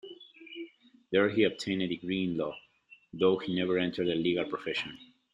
There he obtained a degree in Law, though he never entered the legal profession.